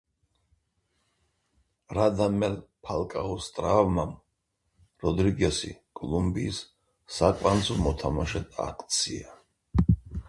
რადამელ ფალკაოს ტრავმამ როდრიგესი კოლუმბიის საკვანძო მოთამაშედ აქცია.